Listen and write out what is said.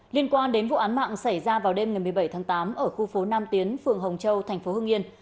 liên quan đến vụ án mạng xảy ra vào đêm ngày một mươi bảy tháng tám ở khu phố nam tiến phường hồng châu thành phố hưng yên